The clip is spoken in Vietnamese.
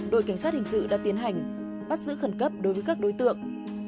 đội cảnh sát hình sự đã tiến hành bắt giữ khẩn cấp đối với các đối tượng